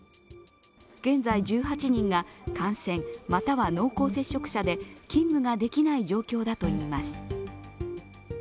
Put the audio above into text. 現在１８人が感染または濃厚接触者で勤務ができない状況だといいます。